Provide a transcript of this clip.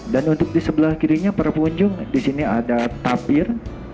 dan untuk di sebelah kirinya para pengunjung disini ada tapir